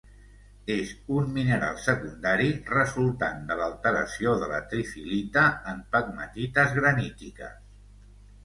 És un mineral secundari resultant de l'alteració de la trifilita en pegmatites granítiques.